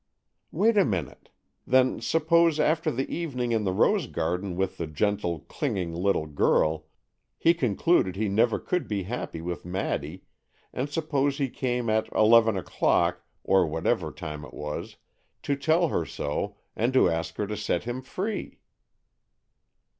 "Wait a minute. Then suppose, after the evening in the rose garden with the gentle, clinging little girl, he concluded he never could be happy with Maddy, and suppose he came at eleven o'clock, or whatever time it was, to tell her so, and to ask her to set him free."